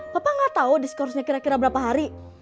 papa gak tau diskorsnya kira kira berapa hari